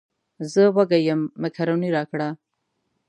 زه وږی یم مېکاروني راکړه.